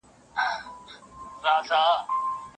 د ادبي تاریخ پاڼې باید په سمه توګه وپېژندل سي.